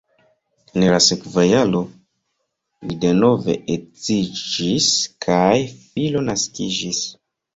En la sekva jaro li denove edziĝis kaj filo naskiĝis.